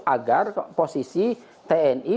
agar posisi tni